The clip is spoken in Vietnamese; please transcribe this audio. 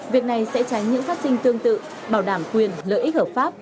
việc này sẽ tránh những phát sinh tương tự bảo đảm quyền lợi ích hợp pháp